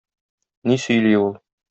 Ни сөйли ул?